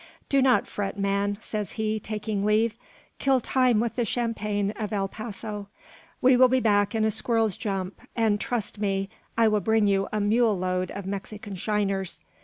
"Do not fret, man," says he, taking leave. "Kill time with the champagne of El Paso. We will be back in a squirrel's jump; and, trust me, I will bring you a mule load of Mexican shiners.